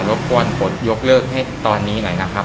บกวนฝนยกเลิกให้ตอนนี้หน่อยนะครับ